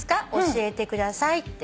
教えてください」